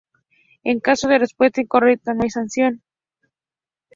En caso de respuesta incorrecta no hay sanción.